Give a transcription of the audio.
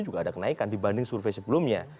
juga ada kenaikan dibanding survei sebelumnya